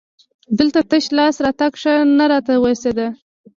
دلته تش لاس راتګ ښه نه راته وایسېد.